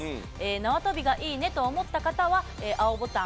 なわとびが「いいね」と思ったら青ボタン。